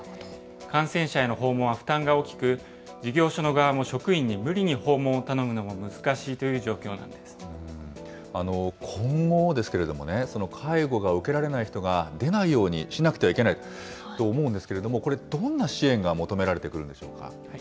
感染者への訪問は負担が大きく、事業所の側も職員に無理に訪問を頼むのも難しいという状況なんで今後ですけれども、介護が受けられない人が出ないようにしなくてはいけないと思うんですけれども、これ、どんな支援が求められてくるんでしょうか。